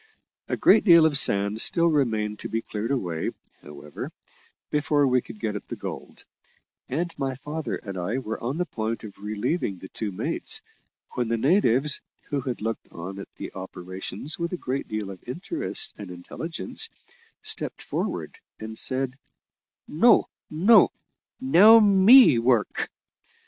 A great deal of sand still remained to be cleared away, however, before we could get at the gold; and my father and I were on the point of relieving the two mates, when the natives, who had looked on at the operations with a great deal of interest and intelligence, stepped forward, and said, "No, no; now me work."